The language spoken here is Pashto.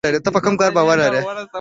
ته کوم کاروبار لری